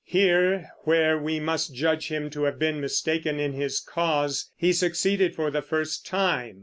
Here, where we must judge him to have been mistaken in his cause, he succeeded for the first time.